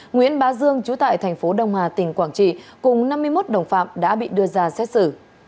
nguyễn bá dương chú tại thành phố đông hà tỉnh quảng trị cùng năm mươi một đồng phạm đã bị đưa ra xét xử